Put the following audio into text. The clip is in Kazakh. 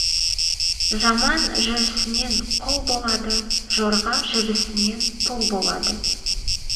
Жаман жүрісінен құл болады, жорға жүрісінен пұл болады.